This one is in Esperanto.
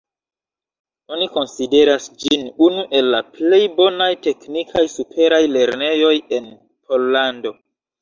Oni konsideras ĝin unu el la plej bonaj teknikaj superaj lernejoj en Pollando.